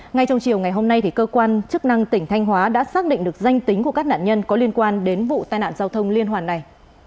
ngay trong chiều ngày hôm nay cơ quan chức năng tỉnh thanh hóa đã xác định được danh tính của các nạn nhân có liên quan đến vụ tai nạn giao thông liên hoàn này